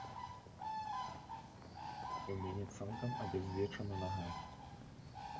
У мяне цалкам абязвечана нага.